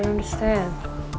aku tak paham